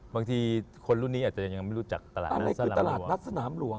บางทีคนรุ่นนี้อาจจะยังไม่รู้จักตลาดนัดสนามหลวง